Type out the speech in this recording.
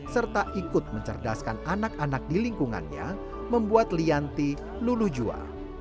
serta ikut mencerdaskan anak anak di lingkungannya membuat lianti luluh jua